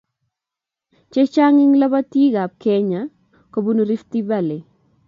Che chang eng lobotii ab Kenya kobunuu Rift Valley.